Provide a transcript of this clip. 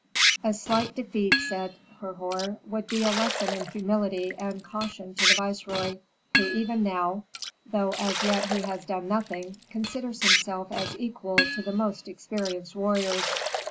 "A slight defeat," said Herhor, "would be a lesson in humility and caution to the viceroy, who even now, though as yet he has done nothing, considers himself as equal to the most experienced warriors."